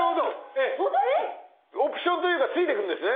オプションというかついてくるんですね。